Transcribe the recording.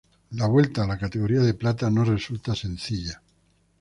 La vuelta a la categoría de plata no resulta sencilla.